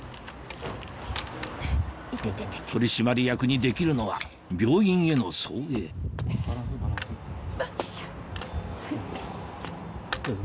取締役にできるのは病院への送迎よいしょ。